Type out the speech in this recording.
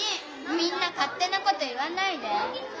みんなかってなこと言わないで。